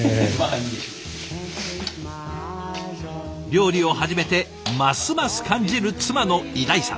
料理を始めてますます感じる妻の偉大さ。